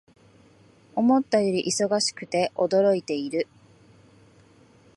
思ったより忙しくて驚いている